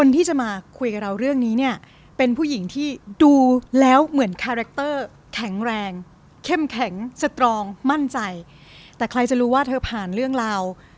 แต่ใครจะรู้ว่าเธอผ่านเรื่องราว